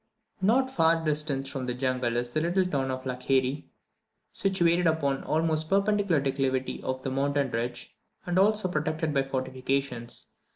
Not far distant from the jungle is the little town of Lakari, situated upon the almost perpendicular declivity of a mountain ridge, and also protected by fortifications.